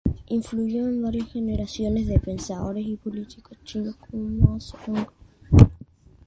Influyó en varias generaciones de pensadores y políticos chinos, como Mao Zedong.